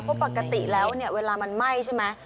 เพราะปกติแล้วเนี่ยเวลามันไหม้ใช่ไหม